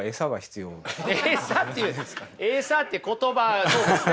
エサっていうエサって言葉そうですね